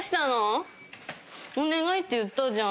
「お願い」って言ったじゃん。